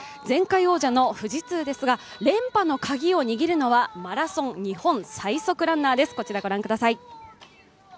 前回王者の富士通ですが、連覇のカギを握るのはマラソン日本最速ランナーです。